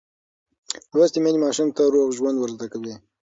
لوستې میندې ماشوم ته روغ ژوند ورزده کوي.